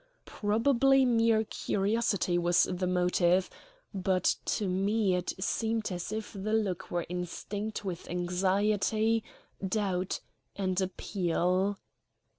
Probably mere curiosity was the motive, but to me it seemed as if the look were instinct with anxiety, doubt, and appeal.